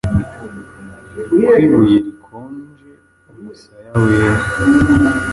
Ku ibuye rikonje umusaya wera.